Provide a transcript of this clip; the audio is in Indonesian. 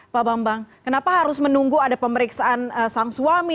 pak bambang kenapa harus menunggu ada pemeriksaan sang suami